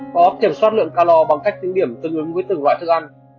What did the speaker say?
có kiểm soát lượng calor bằng cách tính điểm tương ứng với từng loại thức ăn